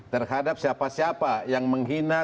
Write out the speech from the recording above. terhadap siapa siapa yang menghina